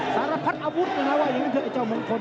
สารราพัดอาวุธเลยนะคะว่ายังยังเจ้วเจ้ามุนข้น